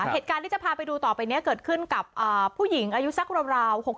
เหตุการณ์ที่จะพาไปดูต่อไปนี้เกิดขึ้นกับผู้หญิงอายุสักราว